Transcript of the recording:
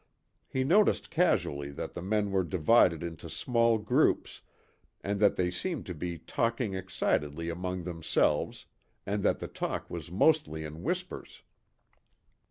He noticed casually that the men were divided into small groups and that they seemed to be talking excitedly among themselves, and that the talk was mostly in whispers.